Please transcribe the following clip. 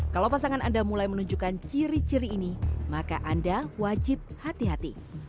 kalau pasangan anda mulai menunjukkan ciri ciri ini maka anda wajib hati hati